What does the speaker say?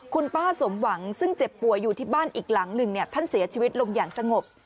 คุณป้าสมหวังซึ่งเจ็บป่วยอยู่ที่บ้านอีกหลังหนึ่งท่านเสียชีวิตลงอย่างสงบ